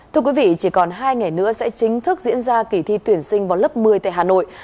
thưa quý vị chỉ còn hai ngày nữa sẽ chính thức diễn ra kỳ thi tuyển sinh vào lớp một mươi tại hà nội